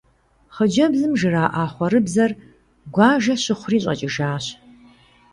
Хъыджэбзым жраӏа хъэурыбзэр гуажэ щыхъури щӏэкӏыжащ.